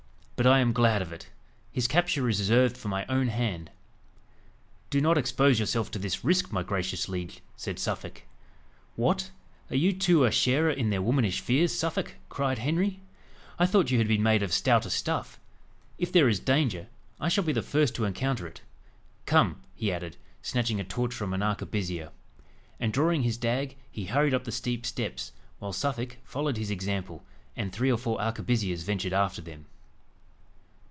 But I am glad of it. His capture is reserved for my own hand." "Do not expose yourself to this risk, my gracious liege," said Suffolk. "What! are you too a sharer in their womanish fears, Suffolk?" cried Henry. "I thought you had been made of stouter stuff. If there is danger, I shall be the first to encounter it. Come," he added, snatching a torch from an arquebusier. And, drawing his dag, he hurried up the steep steps, while Suffolk followed his example, and three or four arquebusiers ventured after them.